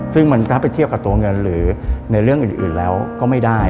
ซึ่งมันก็ไปเทียบกับตัวเงินหรือในเรื่องอื่นแล้วก็ไม่ได้